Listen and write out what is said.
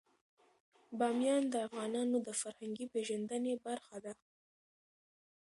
بامیان د افغانانو د فرهنګي پیژندنې برخه ده.